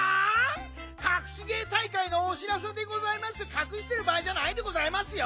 かくしてるばあいじゃないでございますよ。